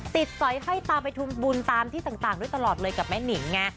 สอยห้อยตาไปทุมบุญตามที่ต่างด้วยตลอดเลยกับแม่นิงไง